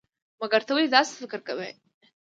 مګر ته ولې داسې فکر کوئ؟